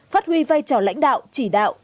phát huy vai trò lãnh đạo chỉ đạo